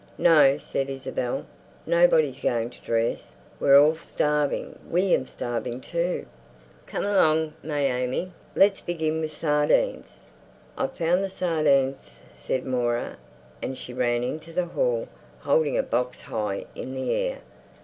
"No," said Isabel, "nobody's going to dress. We're all starving. William's starving, too. Come along, mes amis, let's begin with sardines." "I've found the sardines," said Moira, and she ran into the hall, holding a box high in the air.